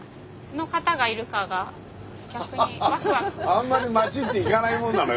あんまり町って行かないもんなの？